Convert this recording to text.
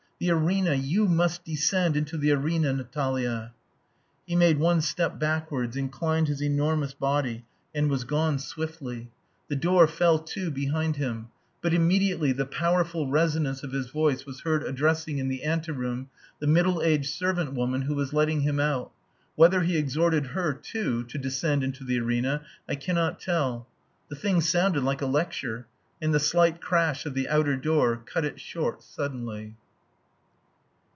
"The arena!... You must descend into the arena, Natalia." He made one step backwards, inclined his enormous body, and was gone swiftly. The door fell to behind him. But immediately the powerful resonance of his voice was heard addressing in the ante room the middle aged servant woman who was letting him out. Whether he exhorted her too to descend into the arena I cannot tell. The thing sounded like a lecture, and the slight crash of the outer door cut it short suddenly.